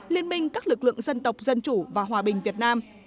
liên minh các lực lượng dân tộc dân chủ và hòa bình việt nam